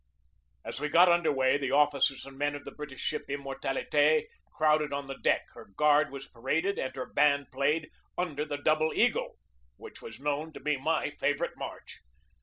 As we got under way the officers and men of the British ship Immortalite crowded on the deck, her guard was paraded, and her band played "Under the Double Eagle," which was known to be my favorite march.